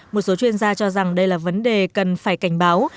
một số chuyên gia cho rằng đây là vấn đề cần phải cảnh báo